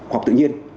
học tự nhiên